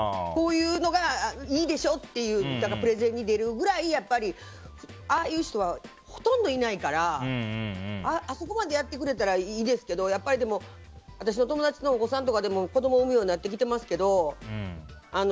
こういうのがいいでしょっていうプレゼンに出るくらいやっぱりああいう人はほとんどいないからあそこまでやってくれたらいいですけどやっぱり私の友達のお子さんとかでも子供を産むようになってきてますけど。